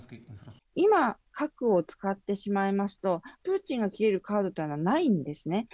今、核を使ってしまいますと、プーチンが切れるカードというのはないんですね。